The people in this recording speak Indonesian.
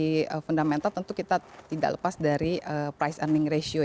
dari kondisi fundamental tentu kita tidak lepas dari price and ratio